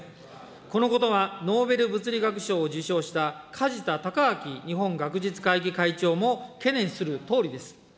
このことがノーベル物理学賞を受賞した梶田隆章日本学術会議会長も懸念するとおりです。